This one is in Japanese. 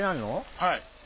はい。